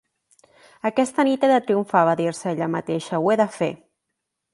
"Aquesta nit he de triomfar," va dir-se a ella mateixa. "Ho he de fer!".